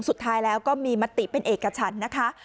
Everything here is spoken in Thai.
สุดท้ายแล้วก็มีมติเป็นเอกชันนะคะ